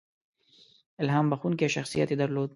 • الهام بښونکی شخصیت یې درلود.